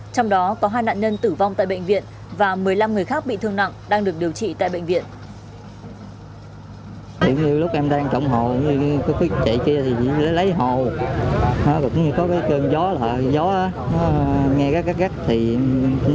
trong đó có hai nạn nhân tử vong tại bệnh viện và một mươi năm người khác bị thương nặng đang được điều trị tại bệnh viện